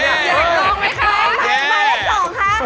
อยากลองไหมคะ